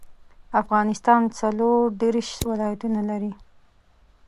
افغانستان څلوردیرش ولايتونه لري.